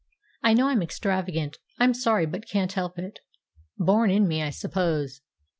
"I know I'm extravagant; I'm sorry, but can't help it. Born in me, I suppose.